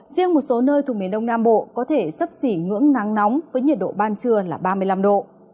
riêng một số nơi thuộc miền đông nam bộ có thể sấp xỉ ngưỡng nắng nóng với nhiệt độ ban trưa là ba mươi năm độ